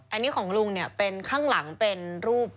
อันนี้ของลุงเนี่ยเป็นข้างหลังเป็นรูป